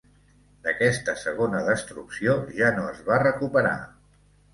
D'aquesta segona destrucció ja no es va recuperar.